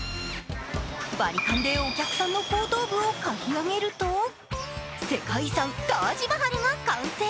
バリカンでお客さんの後頭部を刈り上げると、世界遺産、タージマハルが完成。